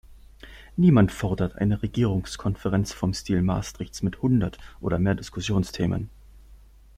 Niemand fordert eine Regierungskonferenz vom Stil Maastrichts mit hundert oder mehr Diskussionsthemen.